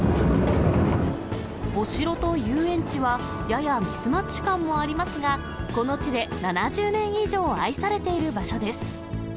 お城と遊園地は、ややミスマッチ感もありますが、この地で７０年以上愛されている場所です。